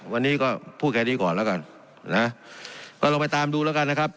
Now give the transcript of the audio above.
วันนี้ก็พูดแค่นี้ก่อนแล้วกันนะก็ลองไปตามดูแล้วกันนะครับ